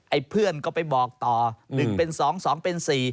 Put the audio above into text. เพื่อนก็ไปบอกต่อ๑เป็น๒๒เป็น๔